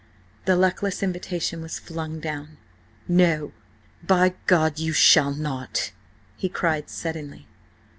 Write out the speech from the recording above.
The luckless invitation was flung down. "No, by God you shall not!" he cried suddenly.